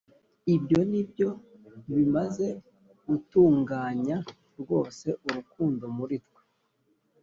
Ibyo ni byo bimaze gutunganya rwose urukundo muri twe,